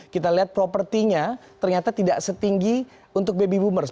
kita lihat propertinya ternyata tidak setinggi untuk baby boomers